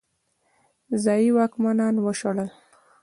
ځايي واکمنان وشړل.